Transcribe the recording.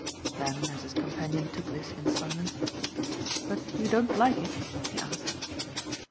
Then as his companion took this in silence, "But you don't like it?" he asked.